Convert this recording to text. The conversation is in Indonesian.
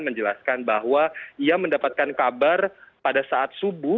menjelaskan bahwa ia mendapatkan kabar pada saat subuh